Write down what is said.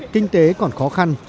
kinh tế còn khó khăn